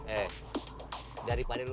eh daripada lu